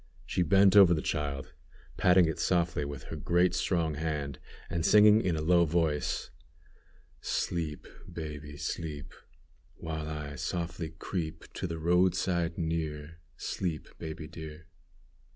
She bent over the child, patting it softly with her great strong hand, and singing in a low voice: "Sleep! baby, sleep! While I softly creep To the roadside near; Sleep, baby, dear."